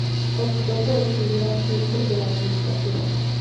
Optó por estudiar ciencias de la comunicación.